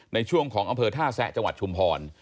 ในช่วงของอำเภอท่าแซะจังหวัดชุมพร